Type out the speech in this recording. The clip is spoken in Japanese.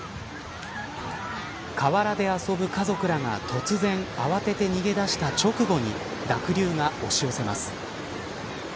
河原で遊ぶ家族らが突然、慌てて逃げ出した直後に濁流が押し寄せます。